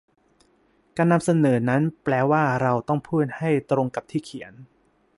การนำเสนอนั้นแปลว่าเราต้องพูดให้ตรงกับที่เขียน